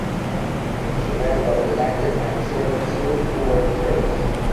Grant was elected and served two four-year terms.